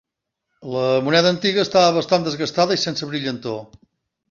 La moneda antiga estava bastant desgastada i sense brillantor.